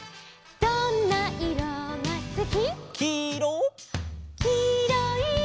「どんないろがすき」「」